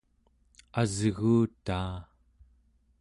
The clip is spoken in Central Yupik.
asguutaa